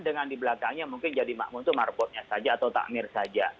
dengan di belakangnya mungkin jadi makmun itu marbotnya saja atau takmir saja